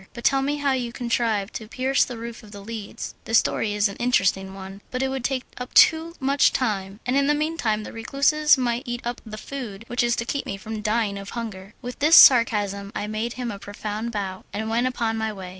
But tell me how you contrived to pierce the roof of The Leads." "The story is an interesting one, but it would take up too much time, and in the meanwhile the recluses might eat up the food which is to keep me from dying of hunger." With this sarcasm I made him a profound bow, and went upon my way.